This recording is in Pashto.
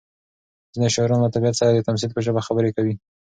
ځینې شاعران له طبیعت سره د تمثیل په ژبه خبرې کوي.